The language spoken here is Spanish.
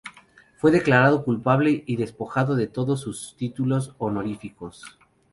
Fue declarado culpable y despojado de todos sus títulos honoríficos.